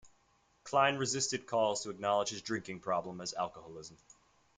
Klein resisted calls to acknowledge his drinking problem as alcoholism.